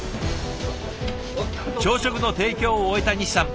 朝食の提供を終えた西さん。